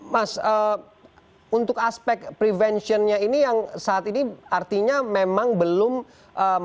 mas untuk aspek prevention nya ini yang saat ini artinya memang belum maksimal